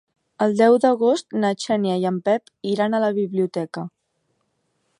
El deu d'agost na Xènia i en Pep iran a la biblioteca.